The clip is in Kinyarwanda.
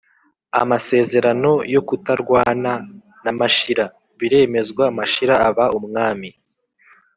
(amasezerano yo kutarwana) na mashira; biremezwa mashira aba umwami